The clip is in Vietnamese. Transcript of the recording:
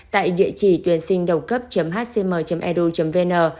tại địa chỉ tuyểnsinhđầucấp hcm edu vn